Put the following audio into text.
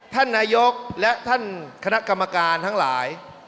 ท่านนายกและท่านคณะกรรมการทั้งหลาย